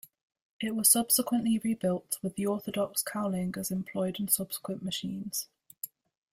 It was subsequently rebuilt with the orthodox cowling as employed on subsequent machines.